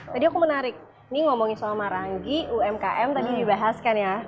tadi aku menarik nih ngomongin soal maranggi umkm tadi dibahaskan ya